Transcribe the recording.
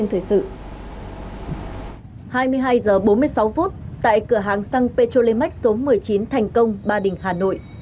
hai mươi hai h bốn mươi sáu phút tại cửa hàng xăng petrolimax số một mươi chín thành công ba đình hà nội